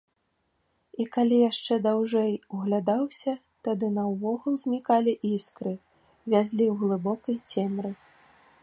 А калі яшчэ даўжэй углядаўся, тады наогул знікалі іскры, вязлі ў глыбокай цемры.